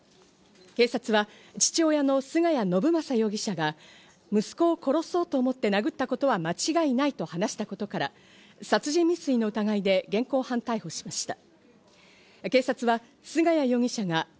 警察は父親の菅谷信正容疑者が息子を殺そうと思って殴ったことは間違いないと話したことから、殺人未遂の疑いで現行犯逮捕しました。